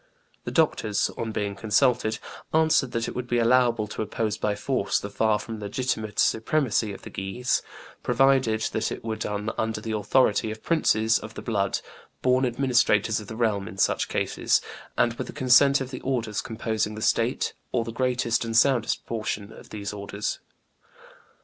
The doctors, on being consulted, answered that it would be allowable to oppose by force the far from legitimate supremacy of the Guises, provided that it were done under the authority of princes of the blood, born administrators of the realm in such cases, and with the consent of the orders composing the state, or the greatest and soundest portion of those orders.